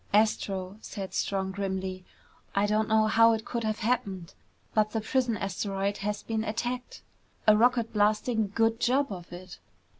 "Astro," said Strong grimly, "I don't know how it could have happened, but the prison asteroid has been attacked. A rocket blasting good job of it!